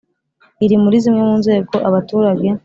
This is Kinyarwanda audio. iri muri zimwe mu nzego abaturage